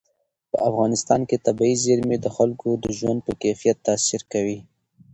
په افغانستان کې طبیعي زیرمې د خلکو د ژوند په کیفیت تاثیر کوي.